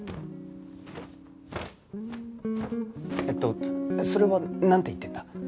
えっとそれはなんて言ってんだ？